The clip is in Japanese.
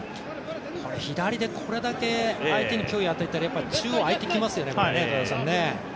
左でこれだけ相手に脅威を与えていたらやっぱり中央、空いてきますよね。